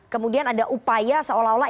kemudian ada upaya seolah olah